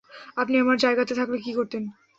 আপনি আমার জায়গাতে থাকলে কী করতেন?